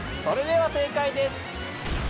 それでは正解です。